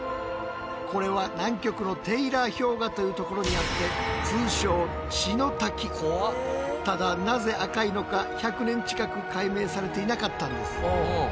これは南極のテイラー氷河というところにあって通称ただなぜ赤いのか１００年近く解明されていなかったんです。